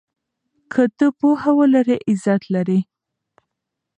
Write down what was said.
که ته پوهه ولرې عزت لرې.